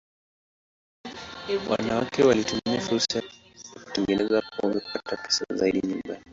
Wanawake walitumia fursa ya kutengeneza pombe kupata pesa zaidi nyumbani.